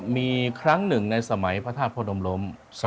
มีครั้งหนึ่งในสมัยพระธาตุพระดมล้ม